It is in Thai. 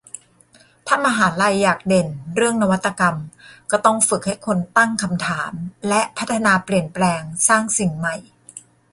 ถ้ามหาลัยอยากเด่นเรื่องนวัตกรรม ก็ต้องฝึกให้คนตั้งคำถาม และพัฒนาเปลี่ยนแปลงสร้างสิ่งใหม่